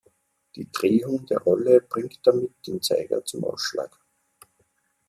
Die Drehung der Rolle bringt damit den Zeiger zum Ausschlag.